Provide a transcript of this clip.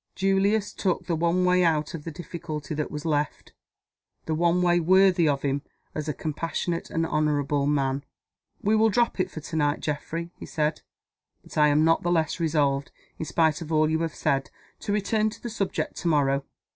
Julius took the one way out of the difficulty that was left the one way worthy of him as a compassionate and an honorable man. "We will drop it for to night, Geoffrey," he said. "But I am not the less resolved, in spite of all that you have said, to return to the subject to morrow.